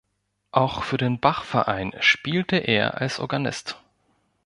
Auch für den Bachverein spielte er als Organist.